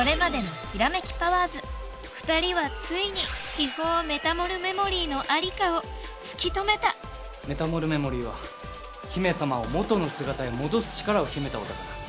２人はついに秘宝メタモルメモリーのありかを突き止めたメタモルメモリーは姫様を元の姿へ戻す力を秘めたお宝。